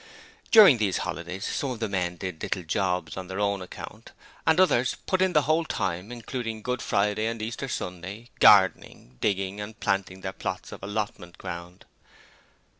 During these holidays some of the men did little jobs on their own account and others put in the whole time including Good Friday and Easter Sunday gardening, digging and planting their plots of allotment ground.